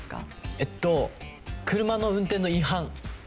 えっと車の運転の違反。